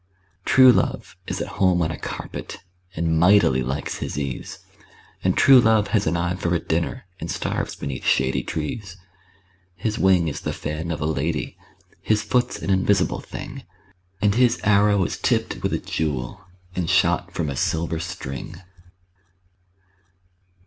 True love is at home on a carpet, And mightily likes his ease And true love has an eye for a dinner, And starves beneath shady trees. His wing is the fan of a lady, His foot's an invisible thing, And his arrow is tipped with a jewel, And shot from a silver string.